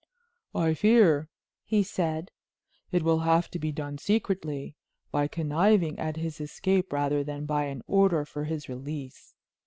"I fear," he said, "it will have to be done secretly by conniving at his escape rather than by an order for his release.